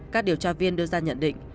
các điều tra viên đưa ra nhận định